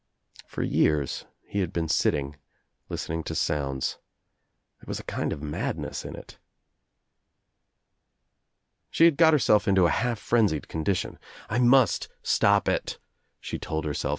For years he had been sitting, listening to sounds. There was a kind of madness in it. She had got herself into a half frenzied condition. "I must stop it," she told herself.